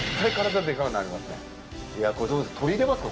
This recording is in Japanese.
これどうですか？